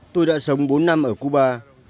tôi đã sống bốn năm ở cuba